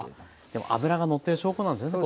でも脂がのってる証拠なんですね